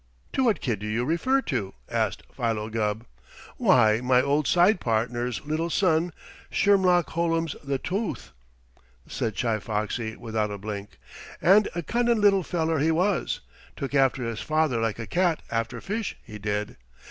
"To what kid do you refer to?" asked Philo Gubb. "Why, my old side partner's little son, Shermlock Hollums the Twoth," said Chi Foxy without a blink. "And a cunnin' little feller he was took after his father like a cat after fish, he did.